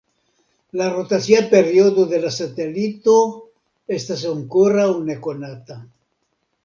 La rotacia periodo de la satelito estas ankoraŭ nekonata.